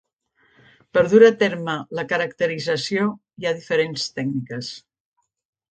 Per dur a terme la caracterització hi ha diferents tècniques.